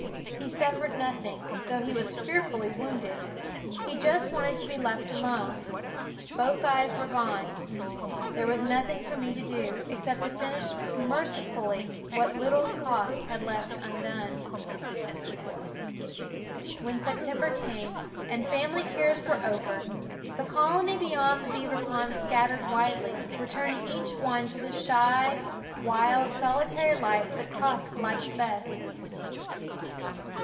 He suffered nothing, though he was fearfully THE WOODS wounded; he just wanted to be let alone. Both eyes were gone. There was nothing for me to do ' exce Pt to finish mercifully what little /^ When September came, and family cares were over, the colony beyond the beaver pond scattered widely, returning each one to the shy, wild, solitary life that Quoskh likes best.